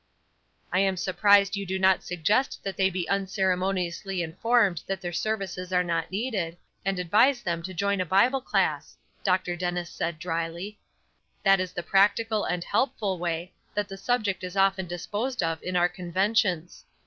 "I am surprised that you do not suggest that they be unceremoniously informed that their services are not needed, and advise them to join a Bible class," Dr. Dennis said, dryly. "That is the practical and helpful way that the subject is often disposed of in our conventions.